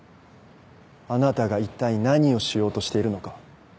あなたが一体何をしようとしているのか。